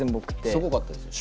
すごかったですよ。